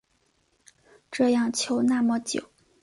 这样求那么久